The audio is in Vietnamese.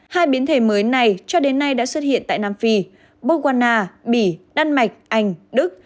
hai biến thể mới này cho đến nay đã xuất hiện tại nam phi bogwanna bỉ đan mạch anh đức